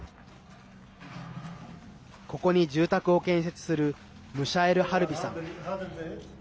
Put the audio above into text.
ここに住宅を建設するムシャイル・ハルビさん。